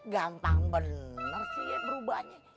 gampang bener sih ya berubahnya